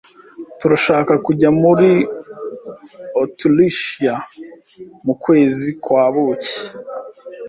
Turashaka kujya muri Otirishiya mu kwezi kwa buki.